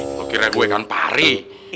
kau kira gue kan pari